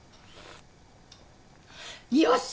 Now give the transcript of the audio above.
よし！